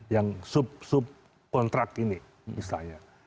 yang sub sub kontrak ini misalnya